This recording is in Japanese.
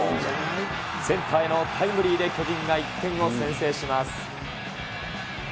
センターへのタイムリーで、巨人が１点を先制します。